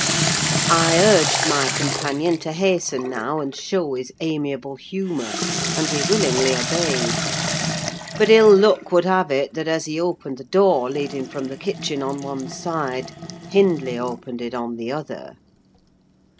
I urged my companion to hasten now and show his amiable humour, and he willingly obeyed; but ill luck would have it that, as he opened the door leading from the kitchen on one side, Hindley opened it on the other.